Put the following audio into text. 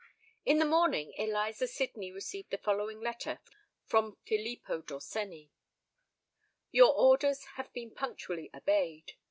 In the morning Eliza Sydney received the following letter from Filippo Dorsenni:— "Your orders have been punctually obeyed.